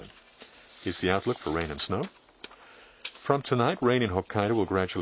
そうですね。